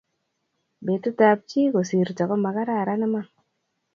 Betut ab chi kosirto ko makararan iman